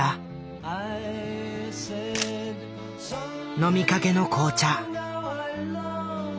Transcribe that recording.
飲みかけの紅茶。